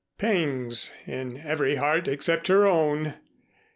Pangs in every heart except her own!